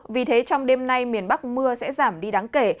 vì thế trong đêm nay miền bắc mưa sẽ giảm đi đáng kể